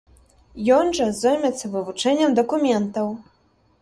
Ён жа зоймецца вывучэннем дакументаў.